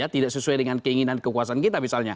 tidak sesuai dengan keinginan kekuasaan kita misalnya